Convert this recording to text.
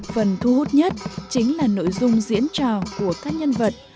phần thu hút nhất chính là nội dung diễn trò của các nhân vật